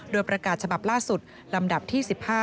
โดยประกาศฉบับล่าสุดลำดับที่๑๕